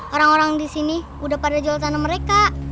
orang orang disini udah pada jual tanah mereka